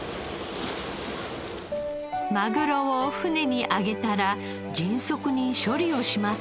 マグロを船に揚げたら迅速に処理をします。